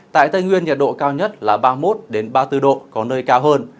tại tây nguyên nhiệt độ cao nhất là ba mươi một ba mươi bốn độ có nơi cao hơn